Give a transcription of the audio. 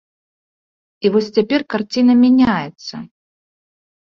І вось цяпер карціна мяняецца.